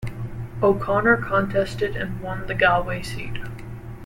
O'Connor contested and won the Galway seat.